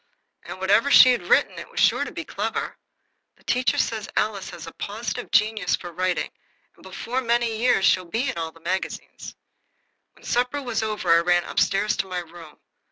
And whatever she had written, it was sure to be clever. The teacher says Alice has a positive genius for writing, and before many years she'll be in all the magazines. When supper was over I ran up stairs to my room.